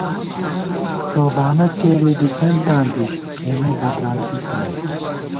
ݭوبانہ څېرےدِسنتاں دی، اېمےبدرانکی تھنَئیت